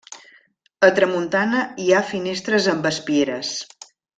A tramuntana hi ha finestres amb espieres.